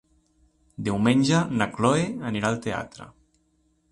Diumenge na Cloè anirà al teatre.